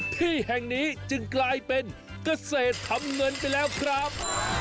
ที่แห่งนี้จึงกลายเป็นเกษตรทำเงินไปแล้วครับ